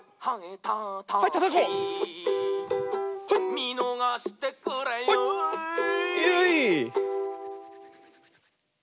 「みのがしてくれよぉ」